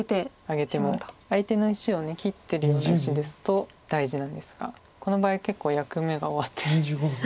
相手の石を切ってるような石ですと大事なんですがこの場合結構役目が終わってる。